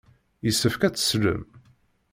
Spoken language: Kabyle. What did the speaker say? Yessefk ad teslem.